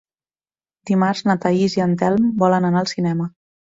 Dimarts na Thaís i en Telm volen anar al cinema.